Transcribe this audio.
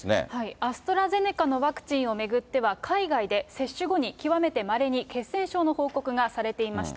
アストラゼネカのワクチンを巡っては、海外で接種後に極めてまれに血栓症の報告がされていました。